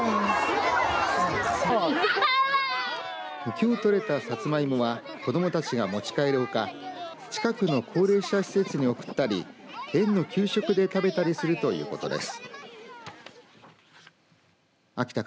きょう取れたサツマイモは子どもたちが持ち帰るほか近くの高齢者施設に贈ったり園の給食で食べたりするということです。